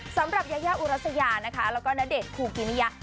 สำหรับยายาอุรัสยานะคะแล้วก็ณเดชนคูกิมิยะ